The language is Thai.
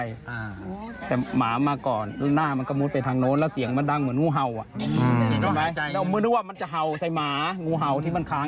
ใช่ไหมแล้วมึงนึกว่ามันจะเห่าใส่หงูเห่าที่มันค้าง